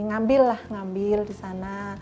ngambil lah ngambil di sana